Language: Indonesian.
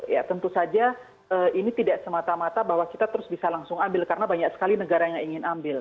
ya tentu saja ini tidak semata mata bahwa kita terus bisa langsung ambil karena banyak sekali negara yang ingin ambil